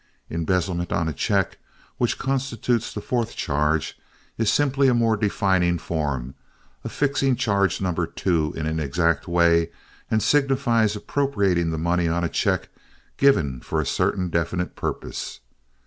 Embezzlement on a check, which constitutes the fourth charge, is simply a more definite form of fixing charge number two in an exact way and signifies appropriating the money on a check given for a certain definite purpose.